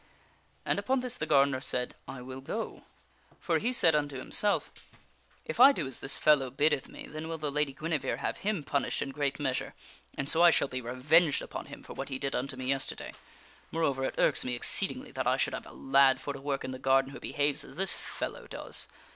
And upon this the gardener said, " I will go." For he said unto himself, " If I do as this fellow biddeth me, then will the Lady Guinevere have him punished in great measure, and so I shall be revenged upon him for what he did unto me yesterday. Moreover, it irks me exceedingly that I should have a lad for to work in the garden who behaves as this fellow does.